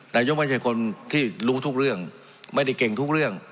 นายกไม่ใช่คนที่รู้ทุกเรื่องไม่ได้เก่งทุกเรื่อง